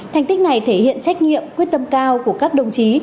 thành tích này thể hiện trách nhiệm quyết tâm cao của các đồng chí